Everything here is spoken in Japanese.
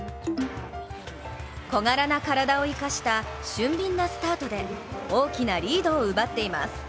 小柄な体を生かした俊敏なスタートで大きなリードを奪っています。